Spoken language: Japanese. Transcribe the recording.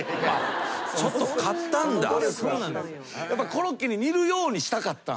コロッケに似るようにしたかったんすね。